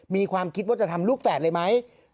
มีความคิดว่าจะทำลูกแฝดเลยไหม